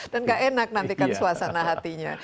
dan tidak enak nantikan suasana hatinya